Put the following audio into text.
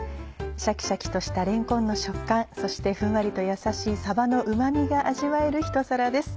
シャキシャキとしたれんこんの食感そしてふんわりとやさしいさばのうま味が味わえるひと皿です。